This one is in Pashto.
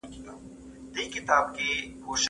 دا ويل کېږي چي دوې خوندي د جنته راغلې